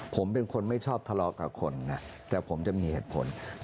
ผมเป็นคนไม่ชอบทะเลาะกับคนนะแต่ผมจะมีเหตุผล